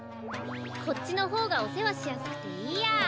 こっちのほうがおせわしやすくていいや。